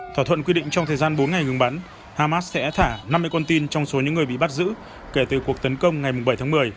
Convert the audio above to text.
thỏa thuận quy định trong thời gian bốn ngày ngừng bắn hamas sẽ thả năm mươi con tin trong số những người bị bắt giữ kể từ cuộc tấn công ngày bảy tháng một mươi